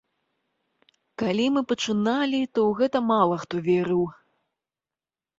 Калі мы пачыналі, то ў гэта мала хто верыў.